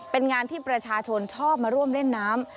เป็นงานที่ประชาชนชอบมาร่วมเล่นน้ำ